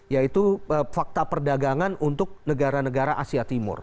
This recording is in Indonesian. yaitu fakta perdagangan untuk negara negara asia timur